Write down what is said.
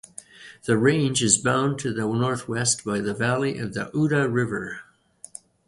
The range is bound to the northwest by the valley of the Uda river.